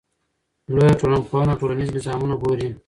لویه ټولنپوهنه ټولنیز نظامونه ګوري.